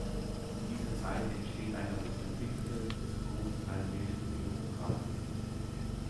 In dieser Zeit entsteht eine hochentwickelte, zum großen Teil mehrstimmige Vokalmusik.